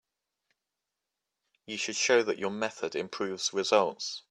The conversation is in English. You should show that your method improves results.